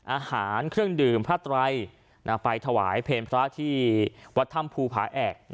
อาหารเครื่องดื่มพระไตรไปถวายเพลงพระที่วัดถ้ำภูผาแอก